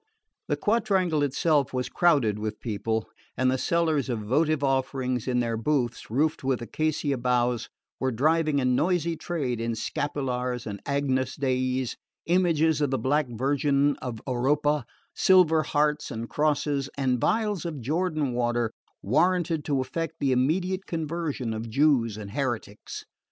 The quadrangle itself was crowded with people, and the sellers of votive offerings, in their booths roofed with acacia boughs, were driving a noisy trade in scapulars and Agnus Deis, images of the Black Virgin of Oropa, silver hearts and crosses, and phials of Jordan water warranted to effect the immediate conversion of Jews and heretics.